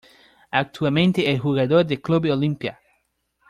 Actualmente es jugador del Club Olimpia